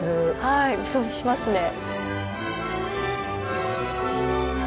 はいしますね。